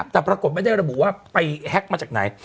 แต่ปรากฏไม่ได้ระบุว่าไปแฮ็กมาจากไหน